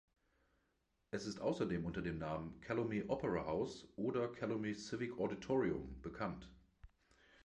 Es ist außerdem unter dem Namen Calumet Opera House oder Calumet Civic Auditorium bekannt.